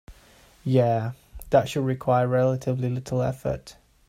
Yeah, that should require relatively little effort.